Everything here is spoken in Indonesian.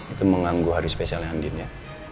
itu mengganggu hari spesialnya andin ya